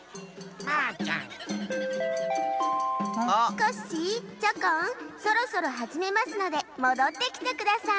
コッシーチョコンそろそろはじめますのでもどってきてください。